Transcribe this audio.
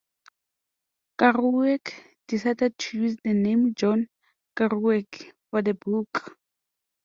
Kerouac decided to use the name "John Kerouac" for the book.